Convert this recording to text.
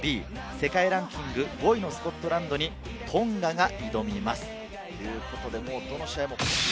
世界ランキング５位のスコットランドにトンガが挑みます。